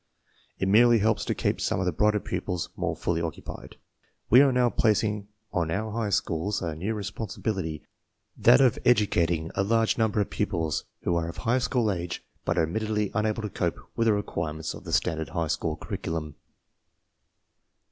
It merely helps to keep some of the brighter pupils more fully occupied. We are now placing on our high schools a new responsibility, that of "educating" a large number of pupils who are of high school age but are admittedly unable to cope with the requirements of the standard high school curriculum.